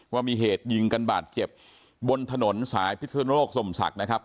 ว่ามีเหตุยิงกันบาดเจ็บบนถนนสายพิศนโลกสมศักดิ์นะครับ